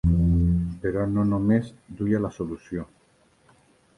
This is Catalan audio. Però no només duia la solució.